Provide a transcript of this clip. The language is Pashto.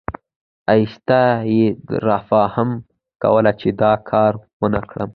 ایسته یې رافهم کوله چې دا کار ونکړم.